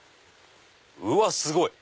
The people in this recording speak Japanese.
うわすごい！